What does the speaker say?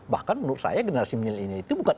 bahkan menurut saya generasi milianial ini itu bukan